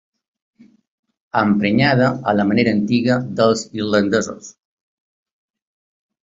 Emprenyada a la manera antiga dels irlandesos.